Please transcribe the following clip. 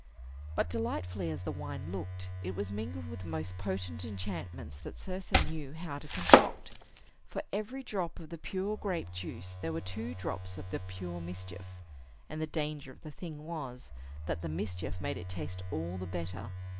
But, delightfully as the wine looked, it was mingled with the most potent enchantments that Circe knew how to concoct. For every drop of the pure grape juice there were two drops of the pure mischief; and the danger of the thing was, that the mischief made it taste all the better.